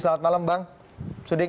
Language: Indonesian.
selamat malam bang suding